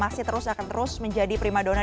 masih terus akan terus menjadi prima dona